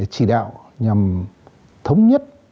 chỉ đạo nhằm thống nhất